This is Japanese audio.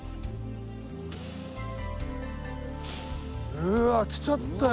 うわあ来ちゃったよ